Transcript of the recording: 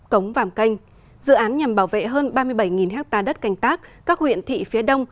cống vàm canh dự án nhằm bảo vệ hơn ba mươi bảy ha đất canh tác các huyện thị phía đông